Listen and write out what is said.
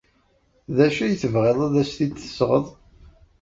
D acu ay tebɣiḍ ad as-t-id-tesɣeḍ?